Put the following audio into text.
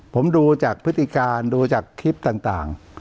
ผมดูจากพฤติการดูจากคลิปต่าง